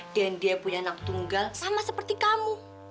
dan dia punya anak tunggal sama seperti kamu